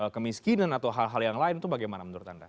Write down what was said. kemiskinan atau hal hal yang lain itu bagaimana menurut anda